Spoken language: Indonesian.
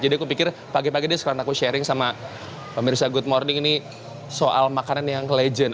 jadi aku pikir pagi pagi deh sekarang aku sharing sama pemirsa good morning ini soal makanan yang legend